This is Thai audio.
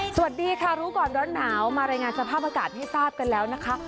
สวัสดีค่ะรู้ก่อนร้อนหนาวมารายงานสภาพอากาศให้ทราบกันแล้วนะคะ